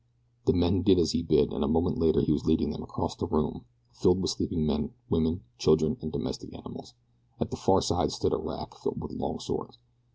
The men did as he bid and a moment later he was leading them across the room, filled with sleeping men, women, children, and domestic animals. At the far side stood a rack filled with long swords.